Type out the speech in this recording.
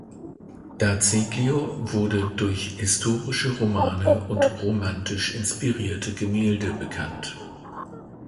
D’Azeglio wurde durch historische Romane und romantisch inspirierte Gemälde bekannt.